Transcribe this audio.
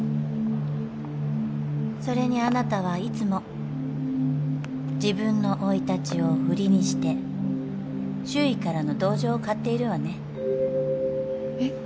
それにあなたはいつも自分の生い立ちを売りにして周囲からの同情を買っているわねえっ？